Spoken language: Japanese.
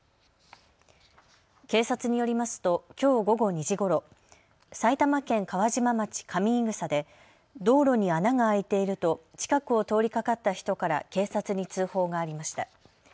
警察によりますときょう午後２時ごろ、埼玉県川島町上伊草で道路に穴が開いていると近くを通りかかった人から警察に通報がありました。